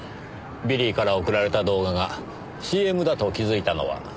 ビリーから送られた動画がＣＭだと気づいたのは。